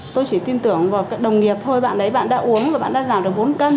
tôi chỉ tin tưởng vào các đồng nghiệp thôi bạn đấy bạn đã uống và bạn đã giảm được bốn cân